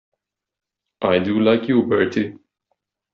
I do like you, Bertie.